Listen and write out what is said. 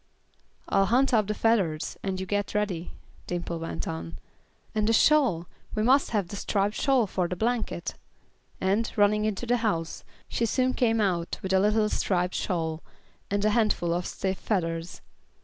"I'll hunt up the feathers, and you get ready," Dimple went on. "And the shawl we must have the striped shawl for a blanket," and, running into the house, she soon came out with a little striped shawl, and a handful of stiff feathers.